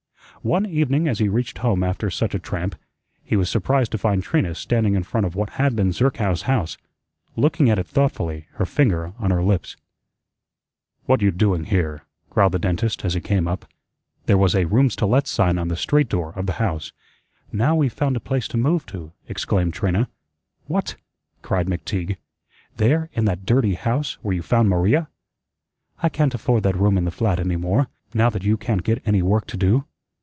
One evening as he reached home after such a tramp, he was surprised to find Trina standing in front of what had been Zerkow's house, looking at it thoughtfully, her finger on her lips. "What you doing here'?" growled the dentist as he came up. There was a "Rooms to let" sign on the street door of the house. "Now we've found a place to move to," exclaimed Trina. "What?" cried McTeague. "There, in that dirty house, where you found Maria?" "I can't afford that room in the flat any more, now that you can't get any work to do."